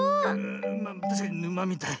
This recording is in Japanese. まあたしかにぬまみたい。